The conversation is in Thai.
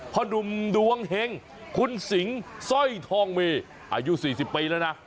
หนุ่มดวงเห็งคุณสิงสร้อยทองเมอายุ๔๐ปีแล้วนะ